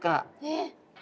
えっ？